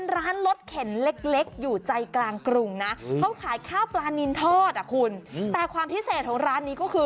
ราดด้วยพริกน้ำปลาขยำ